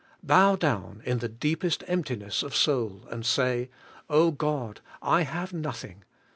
Bow down in the deepest emptiness of soul, and say, "Oh, God, I have nothing!"